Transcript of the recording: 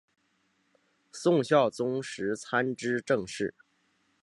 宋孝宗时参知政事。